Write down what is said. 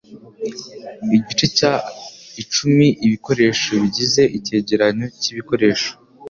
Igice cya-icumi ibikoresho bigize icyegeranyo cyibikoresho.